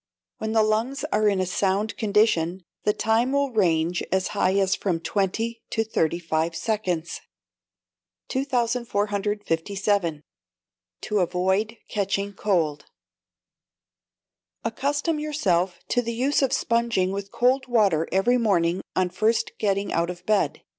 When the lungs are in a sound condition, the time will range as high as from twenty to thirty five seconds. 2457. To Avoid Catching Cold. Accustom yourself to the use of sponging with cold water every morning on first getting out of bed.